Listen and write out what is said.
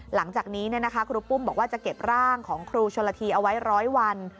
หลังจากนี้ครูปุ้มบอกว่าจะเก็บร่างของครูชนละทีเอาไว้๑๐๐วัน